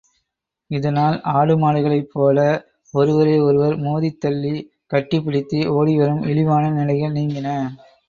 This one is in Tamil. இதனால், ஆடு மாடுகளைப் போல ஒருவரை ஒருவர் மோதி தள்ளி, கட்டிப்பிடித்து ஓடிவரும் இழிவான நிலைகள் நீங்கின.